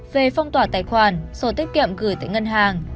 về phong tỏa tài khoản sổ tiết kiệm gửi tại ngân hàng